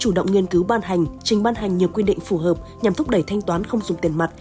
chủ động nghiên cứu ban hành trình ban hành nhiều quy định phù hợp nhằm thúc đẩy thanh toán không dùng tiền mặt